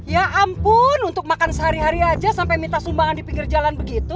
ya ampun untuk makan sehari hari aja sampai minta sumbangan di pinggir jalan begitu